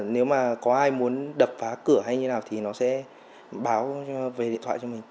nếu mà có ai muốn đập phá cửa hay như nào thì nó sẽ báo về điện thoại cho mình